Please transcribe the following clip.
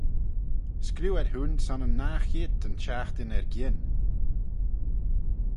Screeu ad hooin son y nah cheayrt yn çhiaghtin er-giyn.